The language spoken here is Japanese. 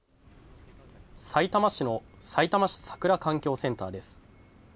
さいたま市のさいたま市桜環境センターです。